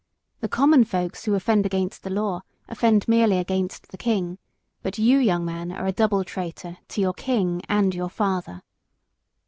The common folks who offend against the law offend merely against the king; but you, young man, are a double traitor to your king and your father."